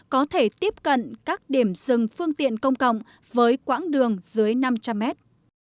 có thể tiếp cận các điểm dừng phương tiện công cộng với quãng đường dưới năm trăm linh mét